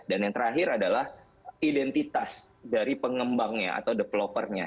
dan yang terakhir adalah identitas dari pengembangnya atau developernya